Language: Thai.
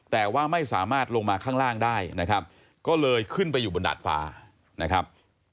แต่ว่าไม่สามารถลงมาข้างล่างได้นะครับก็เลยขึ้นไปอยู่บนดาดฟ้านะครับ